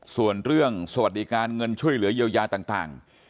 ส่วนเรื่องสวัสดิการเงินช่วยเหลือเยียวยาต่าง